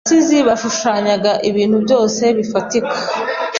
Abasizi bashushanyaga ibintu byose bifatika